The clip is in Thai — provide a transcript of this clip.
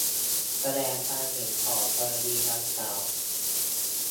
แสดงความเห็นต่อกรณีดังกล่าว